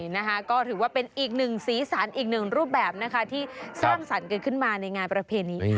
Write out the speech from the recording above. นะคะก็ถือว่าเป็นอีกหนึ่งสีสันอีกหนึ่งรูปแบบนะคะที่สร้างสรรค์กันขึ้นมาในงานประเพณีค่ะ